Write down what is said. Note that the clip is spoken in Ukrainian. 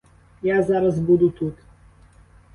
Я зараз буду тут.